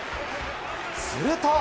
すると。